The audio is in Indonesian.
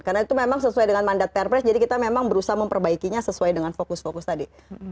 karena itu memang sesuai dengan mandat perpres jadi kita memang berusaha memperbaikinya sesuai dengan fokus fokus tadi